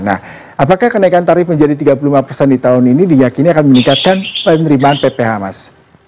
nah apakah kenaikan tarif menjadi tiga puluh lima persen di tahun ini diyakini akan meningkatkan penerimaan pph mas